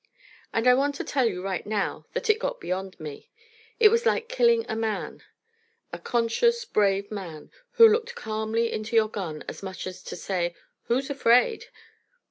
And I want to tell you right now that it got beyond me. It was like killing a man, a conscious, brave man who looked calmly into your gun as much as to say, "Who's afraid?"